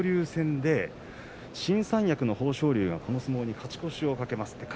新三役の豊昇龍がこの相撲に勝ち越しを懸けます。